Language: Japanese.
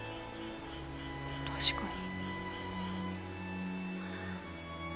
確かに。